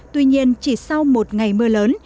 tuy nhiên chỉ sau một ngày mưa lớn